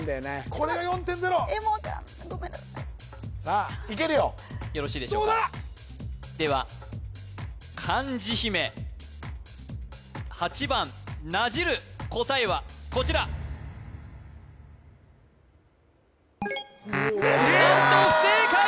これが４．０わかんないごめんなさいいけるよよろしいでしょうかでは漢字姫８番なじる答えはこちら何と不正解！